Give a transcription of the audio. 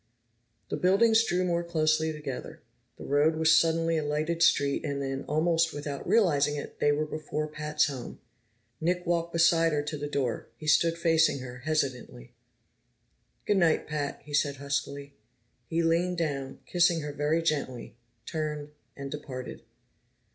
The buildings drew more closely together; the road was suddenly a lighted street, and then, almost without realizing it, they were before Pat's home. Nick walked beside her to the door; he stood facing her hesitantly. "Good night, Pat," he said huskily. He leaned down, kissing her very gently, turned, and departed.